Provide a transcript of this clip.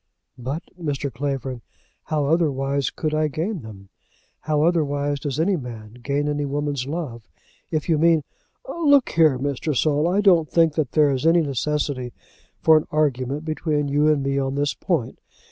"But, Mr. Clavering, how otherwise could I gain them? How otherwise does any man gain any woman's love? If you mean " "Look here, Mr. Saul. I don't think that there is any necessity for an argument between you and me on this point.